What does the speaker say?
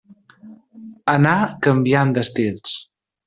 Anà canviant d'estils.